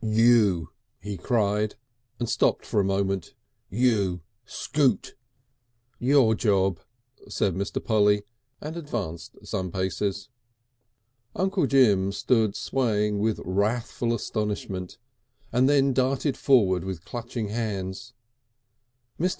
"You!" he cried, and stopped for a moment. "You scoot!" "Your job," said Mr. Polly, and advanced some paces. Uncle Jim stood swaying with wrathful astonishment and then darted forward with clutching hands. Mr.